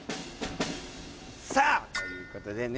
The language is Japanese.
さあ！ということでね